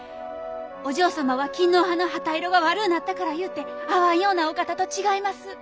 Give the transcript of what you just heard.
お嬢様は勤皇派の旗色が悪うなったからいうて会わんようなお方と違います。